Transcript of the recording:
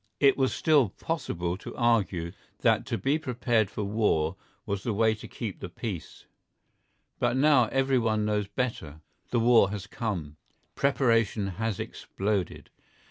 It was still possible to argue that to be prepared for war was the way to keep the peace. But now everyone knows better. The war has come. Preparation has exploded.